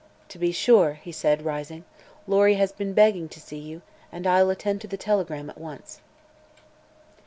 "To be sure," he said, rising. "Lory has been begging to see you, and I'll attend to the telegram at once."